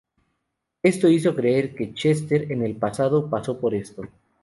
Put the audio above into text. Esto hizo creer que Chester, en el pasado, pasó por esto.